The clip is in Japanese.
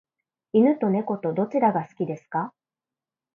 犬と猫とどちらが好きですか？